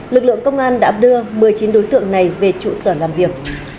lực lượng công an đã đưa một mươi chín đối tượng này về trụ sở làm việc